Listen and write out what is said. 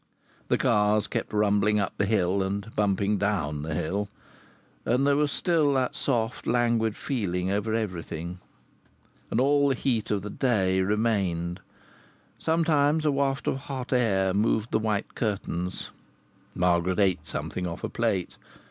The cars kept rumbling up the hill and bumping down the hill. And there was still that soft, languid feeling over everything. And all the heat of the day remained. Sometimes a waft of hot air moved the white curtains. Margaret ate something off a plate.